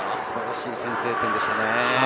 素晴らしい先制点でしたね。